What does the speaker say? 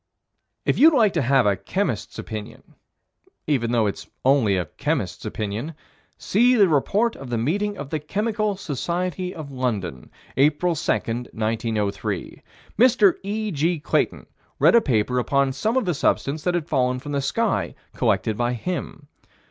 If you'd like to have a chemist's opinion, even though it's only a chemist's opinion, see the report of the meeting of the Royal Chemical Society, April 2, 1903. Mr. E.G. Clayton read a paper upon some of the substance that had fallen from the sky, collected by him.